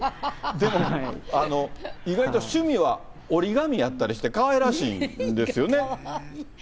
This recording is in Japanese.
でも、意外と趣味は折り紙やったりして、かわいらしいんですよね。